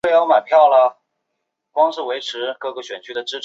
因格拉姆是位于美国加利福尼亚州门多西诺县的一个非建制地区。